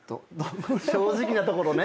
正直なところね。